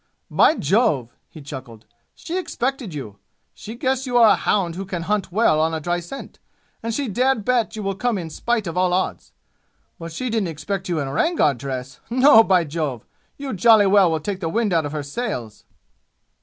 "By jove!" he chuckled. "She expected you. She guessed you are a hound who can hunt well on a dry scent, and she dared bet you will come in spite of all odds! But she didn't expect you in Rangar dress! No, by jove! You jolly well will take the wind out of her sails!"